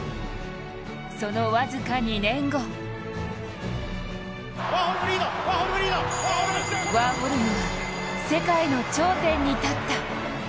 その僅か２年後ワーホルムは世界の頂点に立った。